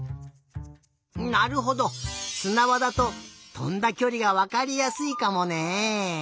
なるほどすなばだととんだきょりがわかりやすいかもね。